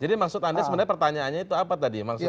jadi maksud anda sebenarnya pertanyaannya itu apa tadi maksudnya